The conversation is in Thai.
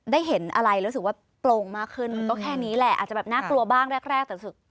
ได้เห็นอะไรรู้สึกว่าโปร่งมากขึ้นมันก็แค่นี้แหละอาจจะแบบน่ากลัวบ้างแรกแต่รู้สึก